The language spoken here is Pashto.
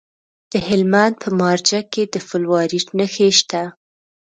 د هلمند په مارجه کې د فلورایټ نښې شته.